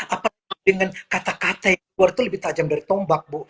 apa dengan kata kata yang keluar itu lebih tajam dari tombak bu